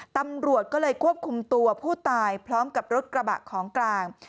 ตำรวจก็เลยควบคุมตัวผู้ตายพร้อมกับรถกระบะของกลาง